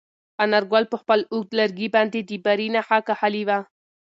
انارګل په خپل اوږد لرګي باندې د بري نښه کښلې وه.